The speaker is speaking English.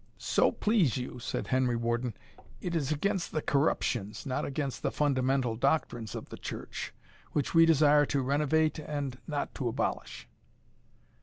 "So please you," said Henry Warden, "it is against the corruptions, not against the fundamental doctrines, of the church, which we desire to renovate, and not to abolish."